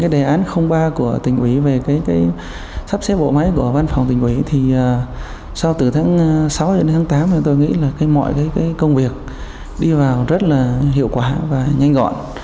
với sắp xếp bộ máy của văn phòng tỉnh ủy sau từ tháng sáu đến tháng tám tôi nghĩ mọi công việc đi vào rất hiệu quả và nhanh gọn